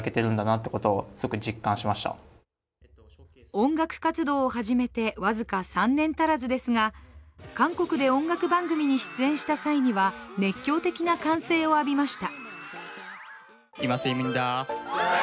音楽活動を始めて、僅か３年足らずですが韓国で音楽番組に出演した際には熱狂的な歓声を浴びました。